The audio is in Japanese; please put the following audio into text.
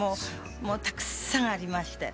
もうたくさんありまして。